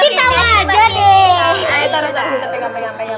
sini tau aja deh